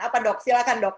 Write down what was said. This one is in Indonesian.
apa dok silakan dok